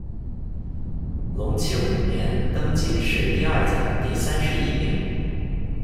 隆庆五年，登进士第二甲第三十一名。